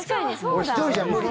俺、１人じゃ無理。